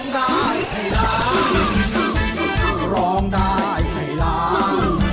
คือร้องได้ให้ร้าง